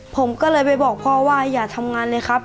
ผมก็เลยไปบอกพ่อว่าอย่าทำงานเลยครับ